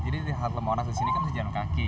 jadi di halte monas disini kan harus jalan kaki